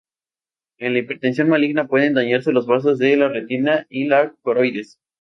En la hipertensión maligna pueden dañarse los vasos de la retina y la coroides.